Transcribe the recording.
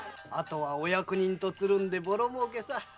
あとはお役人とつるんでボロ儲けさ。